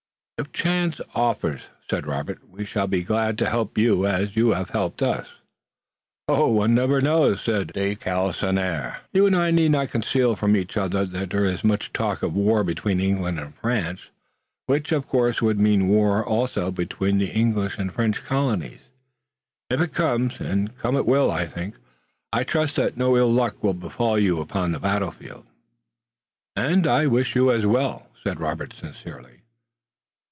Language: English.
"If chance offers," said Robert, "we shall be glad to help you as you have helped us." "One never knows," said de Galisonnière. "You and I need not conceal from each other that there is much talk of war between England and France, which, of course, would mean war also between the English and French colonies. If it comes, and come it will, I think, I trust that no ill luck will befall you upon the battlefield." "And I wish you as well," said Robert, sincerely.